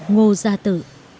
ngô gia tự